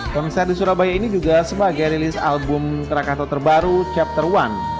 konser di surabaya ini juga sebagai rilis album krakatau terbaru chapter one